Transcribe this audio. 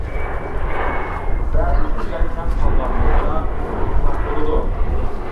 بەزى تۈرلەر كەم قالغان بولسا تولۇقلىساق بولىدۇ.